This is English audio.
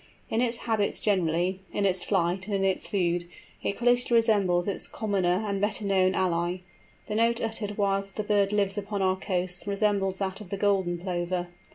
In its habits generally, in its flight, and in its food, it closely resembles its commoner and better known ally. The note uttered whilst the bird lives upon our coasts resembles that of the Golden Plover.